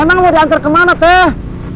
tuh tangan lo diangker kemana teh